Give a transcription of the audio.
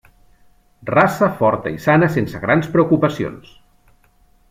Raça forta i sana sense grans preocupacions.